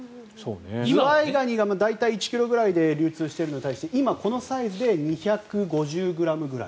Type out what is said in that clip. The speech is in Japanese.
ズワイガニが大体１ｋｇぐらいで流通しているのに対して今、このサイズで２５０ｇぐらい。